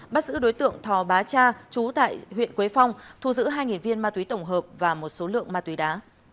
bắt giữ đối tượng thò bá cha chú tại huyện quế phong thu giữ hai viên ma túy tổng hợp và một số lượng ma túy đá